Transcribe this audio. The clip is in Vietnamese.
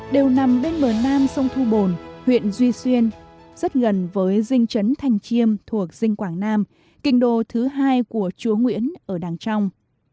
đều nằm bên bờ nam sông thu bồn huyện duy xuyên rất gần với dinh chấn thành chiêm thuộc dinh quảng nam kinh đồ thứ hai của chúa nguyễn ở đằng trong